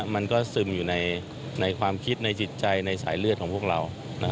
มันก็ซึมอยู่ในความคิดในจิตใจในสายเลือดของพวกเรา